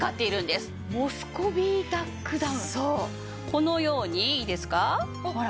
このようにいいですかほら。